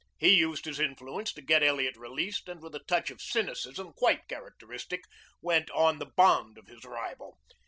He used his influence to get Elliot released, and with a touch of cynicism quite characteristic went on the bond of his rival.